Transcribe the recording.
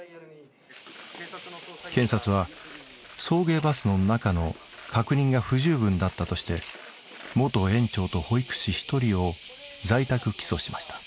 検察は送迎バスの中の確認が不十分だったとして元園長と保育士１人を在宅起訴しました。